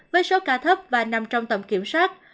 với số ca thấp và nằm trong tầm kiểm soát